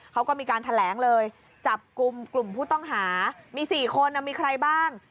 เขาก็มีการแถลงเลยจับกลุ่มกลุ่มผู้ต้องหามี๔คนมีใครบ้าง